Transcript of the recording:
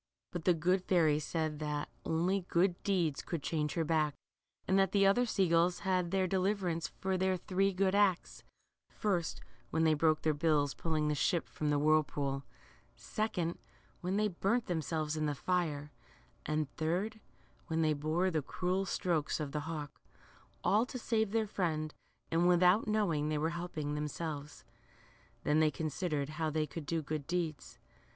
But the good fairy said that only good deeds could change her back, and that the other sea gulls had their deliverance for their three good acts ; first, when they broke their bills pulling the ship from the whirlpool ; second, when they burnt themselves in the fire ; and third, when they bore the cruel strokes of the hawk ; all to save their friend, "^nd without knowing they were helping themselves. Then they considered how they could do good deeds.